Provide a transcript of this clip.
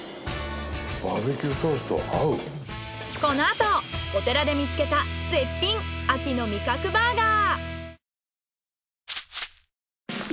このあとお寺で見つけた絶品秋の味覚バーガー。